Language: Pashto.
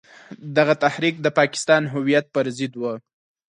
دغه تحریک د پاکستان هویت پر ضد وو.